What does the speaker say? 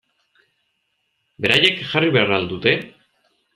Beraiek jarri behar al dute?